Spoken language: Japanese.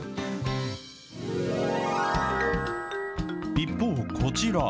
一方、こちら。